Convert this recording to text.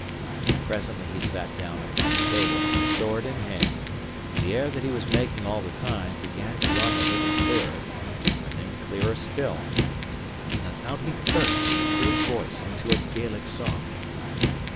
And presently he sat down upon the table, sword in hand; the air that he was making all the time began to run a little clearer, and then clearer still; and then out he burst with a great voice into a Gaelic song.